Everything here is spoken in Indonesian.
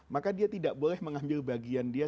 maka dia tidak boleh mengambil bagian dia